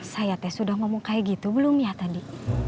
sayateh sudah ngomong kayak gitu belum ya tadi